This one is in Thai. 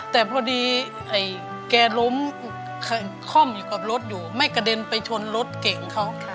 แต่พอดีแกล้มค่อมอยู่กับรถอยู่ไม่กระเด็นไปชนรถเก่งเขา